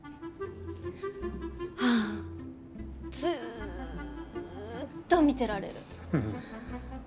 はあずっと見てられる。